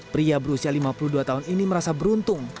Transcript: pria berusia lima puluh dua tahun ini merasa beruntung